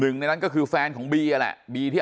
ในนั้นก็คือแฟนของบีนั่นแหละบีที่